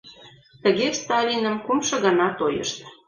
Тыге Сталиным кумшо гана тойышт.